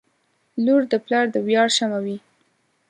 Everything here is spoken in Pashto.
• لور د پلار د ویاړ شمعه وي.